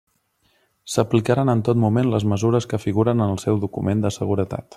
S'aplicaran en tot moment les mesures que figuren en el seu Document de seguretat.